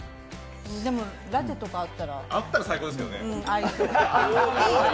でも、ラテとかあったらあったら最高ですけどね。